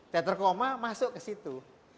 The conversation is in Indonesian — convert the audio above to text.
teater koma masuk ke situ